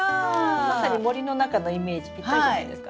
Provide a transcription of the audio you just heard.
まさに森の中のイメージピッタリじゃないですか。